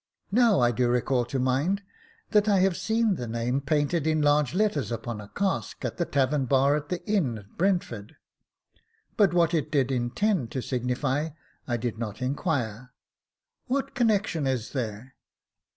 Now I do recall to mind that I have seen the name painted in large letters upon a cask at the tavern bar of the inn at Brentford ; but what it did intend to signify, I did not inquire. What connection is there